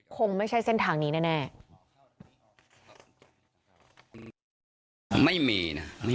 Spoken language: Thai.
คงไม่ใช่เส้นทางนี้แน่